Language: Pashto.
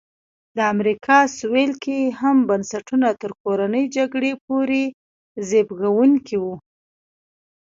د امریکا سوېل کې هم بنسټونه تر کورنۍ جګړې پورې زبېښونکي وو.